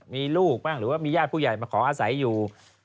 มีลูกบ้างหรือว่ามีญาติผู้ใหญ่มาขออาศัยอยู่